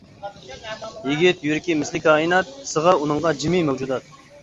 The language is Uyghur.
يىگىت يۈرىكى مىسلى كائىنات، سىغار ئۇنىڭغا جىمى مەۋجۇدات.